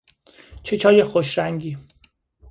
چه چای خوش رنگی